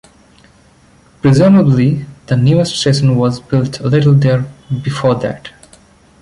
Presumably, the newer station was built a little before that.